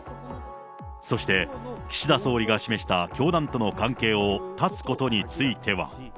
そして岸田総理が示した教団との関係を断つことについては。